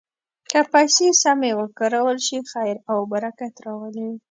که پیسې سمې وکارول شي، خیر او برکت راولي.